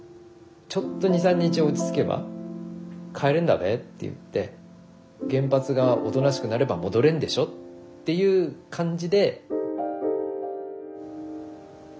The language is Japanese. ちょっと２３日落ち着けば帰れんだべっていって原発がおとなしくなれば戻れんでしょっていう感じで。